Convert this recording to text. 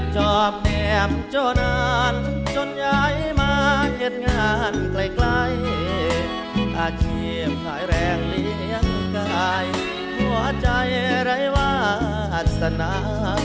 จอบแหน่มเจ้านานจนย้ายมาเกิดงานใกล้อาเทียบท้ายแรงเลี้ยงกายหัวใจไรว่าอัศนา